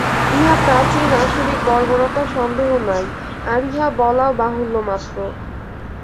ইহা প্রাচীন আসুরিক বর্বরতা সন্দেহ নাই, আর ইহা বলাও বাহুল্যমাত্র।